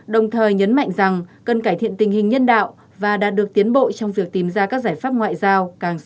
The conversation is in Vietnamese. đồng thời nhấn mạnh rằng cần cải thiện tình hình nhân đạo và đạt được tiến bộ trong việc tìm ra các giải pháp ngoại giao càng sớm càng tốt